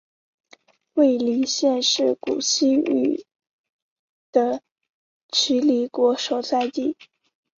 尉犁县是古西域的渠犁国所在地。